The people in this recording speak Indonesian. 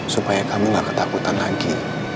supaya kamu gak ketakutan lagi